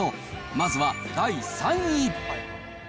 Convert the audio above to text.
まずは第３位。